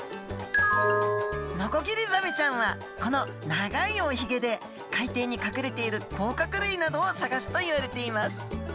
ノコギリザメちゃんはこの長いおヒゲで海底に隠れている甲殻類などを探すといわれています。